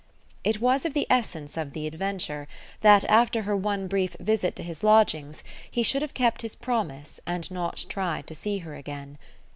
It was of the essence of the adventure that, after her one brief visit to his lodgings, he should have kept his promise and not tried to see her again.